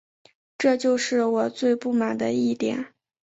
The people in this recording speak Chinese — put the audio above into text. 这就是我最不满的一点